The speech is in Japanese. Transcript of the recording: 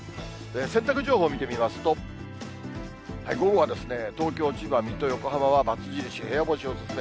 洗濯情報を見てみますと、午後は東京、千葉、水戸、横浜は×印、部屋干しお勧め。